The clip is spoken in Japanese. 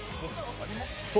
そう？